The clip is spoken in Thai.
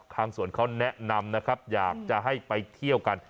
สวนเขาแนะนำนะครับอยากจะให้ไปเที่ยวกัน